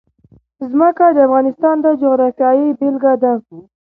ځمکه د افغانستان د جغرافیې بېلګه ده.